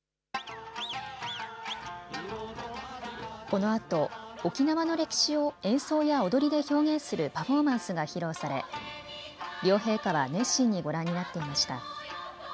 このあと沖縄の歴史を演奏や踊りで表現するパフォーマンスが披露され両陛下は熱心にご覧になっていました。